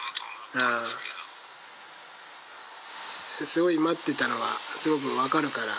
すごい待ってたのは分かるから。